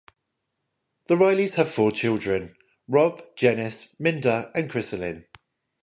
The Rileys have four children, Rob, Jenice, Minda and Krisalyn.